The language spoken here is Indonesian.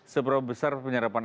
seberapa besar penyerapan